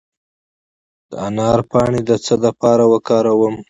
د انار پاڼې د څه لپاره وکاروم؟